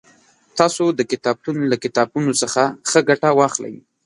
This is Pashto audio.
تاسو د کتابتون له کتابونو څخه ښه ګټه واخلئ